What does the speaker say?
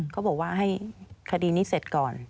เขาบอกว่าให้คดีนี้เสร็จก่อน